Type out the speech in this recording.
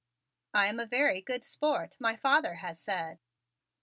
I am a very good sport, my father has said."